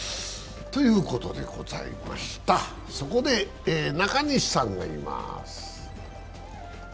そこで中西さんがいます。